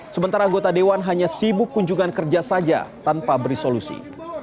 sementara anggota dewan hanya sibuk kunjungan kerja saja tanpa beri solusi